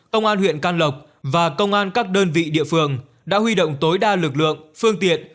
công an huyện can lộc và công an các đơn vị địa phương đã huy động tối đa lực lượng phương tiện